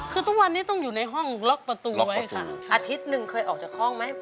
คือทุกวันนี้ต้องอยู่ในห้องล็อกประตูไว้ค่ะอาทิตย์หนึ่งเคยออกจากห้องไหม